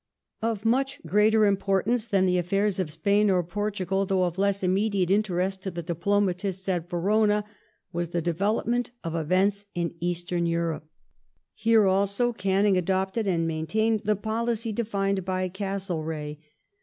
Of much greater importance than the affairs of Spain or Portu Canning gal, though of less immediate interest to the diplomatists at Verona, |"^*^^^ was the development of events in Eastern Europe. Here also question Canning adopted and maintained the policy defined by Castlereagh.